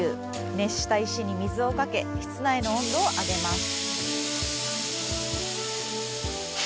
熱した石に水をかけ室内の温度を上げます。